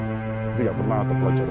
jepang game yang mengekongkan